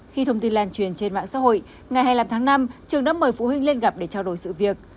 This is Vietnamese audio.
khi thông tin lan truyền trên mạng xã hội ngày hai mươi năm tháng năm trường đã mời phụ huynh lên gặp để trao đổi sự việc